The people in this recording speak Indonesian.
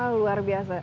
wah luar biasa